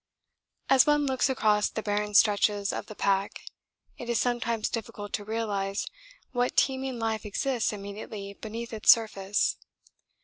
As one looks across the barren stretches of the pack, it is sometimes difficult to realise what teeming life exists immediately beneath its surface.